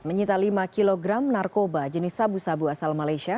menyita lima kg narkoba jenis sabu sabu asal malaysia